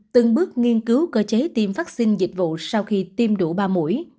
từng bước nghiên cứu cơ chế tiêm vaccine dịch vụ sau khi tiêm đủ ba mũi